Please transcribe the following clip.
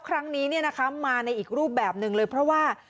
ครั้งนี้มีนะครับมาในอีกรูปแบบนึงเลยเพราะว่า